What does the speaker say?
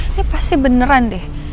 ini pasti beneran deh